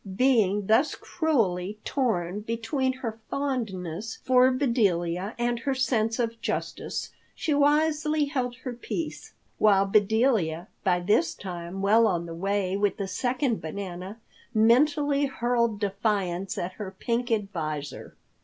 Being thus cruelly torn between her fondness for Bedelia and her sense of justice, she wisely held her peace, while Bedelia, by this time well on the way with the second banana, mentally hurled defiance at her pink advisor.